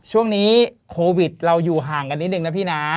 ช่วงนี้โควิดเราอยู่ห่างกันนิดนึงนะพี่นะ